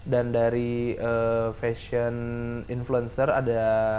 dan dari fashion influencer ada